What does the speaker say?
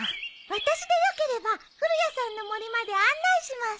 私でよければ古谷さんの森まで案内します。